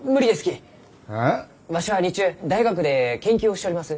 わしは日中大学で研究をしております。